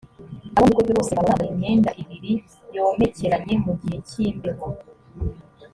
abo mu rugo rwe bose baba bambaye imyenda ibiri yomekeranye mu gihe cy’imbeho